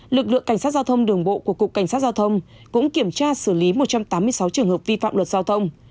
lực lượng cảnh sát giao thông đường bộ của cục cảnh sát giao thông cũng kiểm tra xử lý một trăm tám mươi sáu trường hợp vi phạm luật giao thông